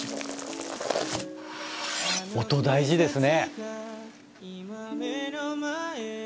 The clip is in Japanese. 音大事ですね！